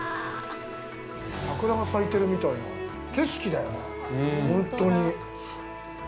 桜が咲いてるみたいな景色だよね、本当に。